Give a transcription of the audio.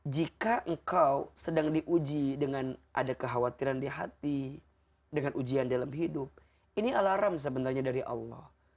jika engkau sedang diuji dengan ada kekhawatiran di hati dengan ujian dalam hidup ini alarm sebenarnya dari allah